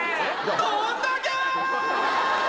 どんだけ！